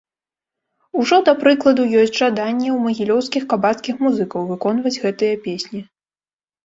Ужо, да прыкладу, ёсць жаданне ў магілёўскіх кабацкіх музыкаў выконваць гэтыя песні.